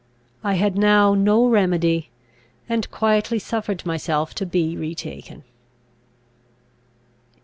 I had now no remedy, and quietly suffered myself to be retaken.